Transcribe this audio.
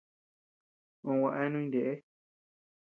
Uu gua eanu jineʼe.